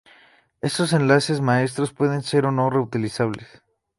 Estos enlaces maestros pueden ser o no reutilizables.